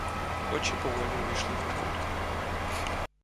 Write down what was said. Очі поволі увійшли в роботу.